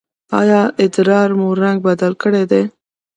ایا ادرار مو رنګ بدل کړی دی؟